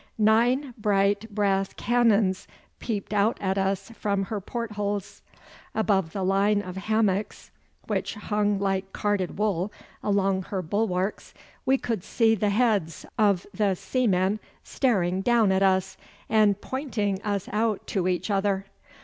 Nine bright brass cannons peeped out at us from her portholes. Above the line of hammocks, which hung like carded wool along her bulwarks, we could see the heads of the seamen staring down at us, and pointing us out to each other.